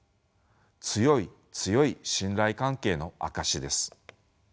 強い強い信頼関係の証しです。